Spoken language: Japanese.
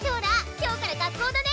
今日から学校だね